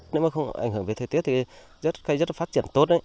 nếu mà không ảnh hưởng về thời tiết thì đất cây rất là phát triển tốt